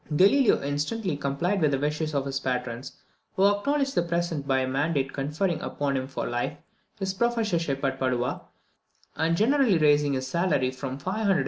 Galileo instantly complied with the wishes of his patrons, who acknowledged the present by a mandate conferring upon him for life his professorship at Padua, and generously raising his salary from 520 to 1000 florins.